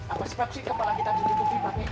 apa sebab sih kepala kita ditutupi pakai alut ini